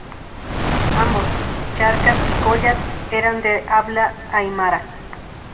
Ambos, Charcas y Collas eran de habla aimara.